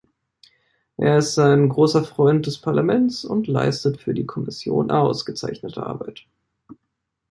Er ist ein großer Freund des Parlaments und leistet für die Kommission ausgezeichnete Arbeit.